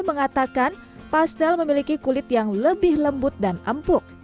mengatakan pastel memiliki kulit yang lebih lembut dan empuk